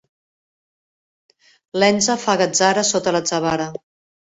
L'enze fa gatzara sota l'atzavara.